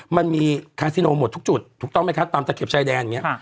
มันมีคาซิโนหมดทุกจุดถูกต้องไหมคะตามตะเข็บชายแดนอย่างนี้